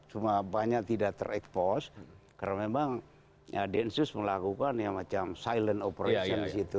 cuma banyak tidak terekpos karena memang densus melakukan yang macam silent operation di situ